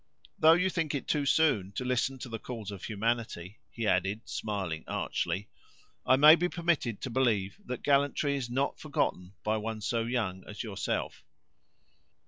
Though you think it too soon to listen to the calls of humanity," he added, smiling archly, "I may be permitted to believe that gallantry is not forgotten by one so young as yourself.